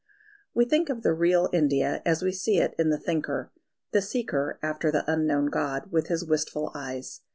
We think of the real India as we see it in the thinker the seeker after the unknown God, with his wistful eyes.